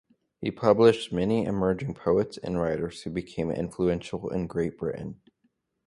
He published many emerging poets and writers who became influential in Great Britain.